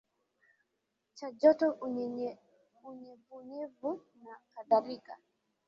cha joto unyevunyevu na kadhalika